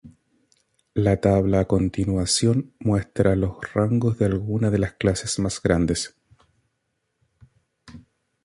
La tabla a continuación muestra los rangos de algunas de las clases más grandes.